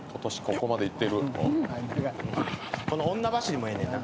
「この女走りもええねんな」